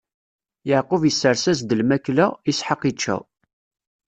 Yeɛqub isers-as-d lmakla, Isḥaq ičča.